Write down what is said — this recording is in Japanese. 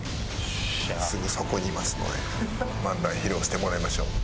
すぐそこにいますので漫談披露してもらいましょう。